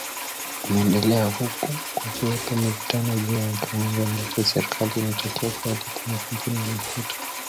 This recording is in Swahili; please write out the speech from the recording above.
umeendelea huku kukiwepo mivutano juu ya kiwango ambacho serikali inatakiwa kuyalipa makampuni ya mafuta